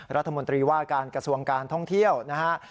รัฐมนตรีว่าการกระทรวงการท่องเที่ยวนะฮะ